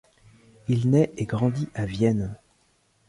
Il naît et grandit à Vienne.